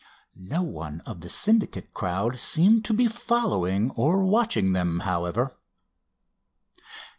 No one of the Syndicate crowd seemed to be following, or watching them, however.